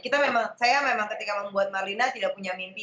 kita memang saya memang ketika membuat marlina tidak punya mimpi